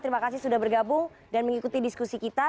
terima kasih sudah bergabung dan mengikuti diskusi kita